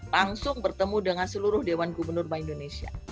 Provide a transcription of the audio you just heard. langsung bertemu dengan seluruh dewan gubernur bank indonesia